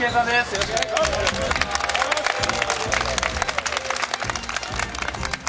よろしくお願いします。